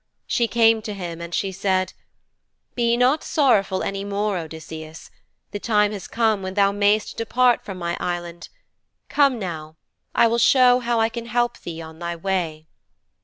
She came to him and she said, 'Be not sorrowful any more, Odysseus. The time has come when thou mayst depart from my Island. Come now. I will show how I can help thee on thy way.'